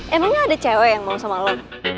emang gak ada cewek yang mau sama lo